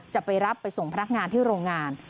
จะไปรับไปส่งพนักงานที่โรงงาน